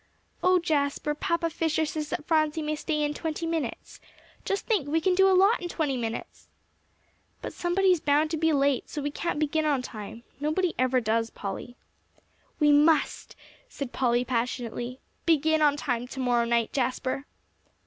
"Oh, Jasper, Papa Fisher says that Phronsie may stay in twenty minutes. Just think; we can do a lot in twenty minutes." "But somebody is bound to be late, so we can't begin on time. Nobody ever does, Polly." "We must," said Polly passionately, "begin on time to morrow night, Jasper."